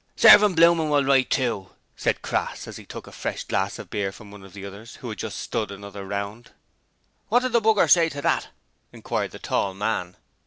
'Serve 'im blooming well right, too,' said Crass as he took a fresh glass of beer from one of the others, who had just 'stood' another round. 'What did the b r say to that?' inquired the tall man.